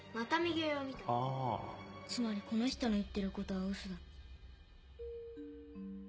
つまりこの人の言ってることは嘘だ。